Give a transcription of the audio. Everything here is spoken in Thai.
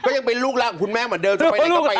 ยังเป็นลูกรักของคุณแม่เหมือนเดิม